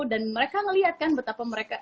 dan mereka ngelihat kan betapa mereka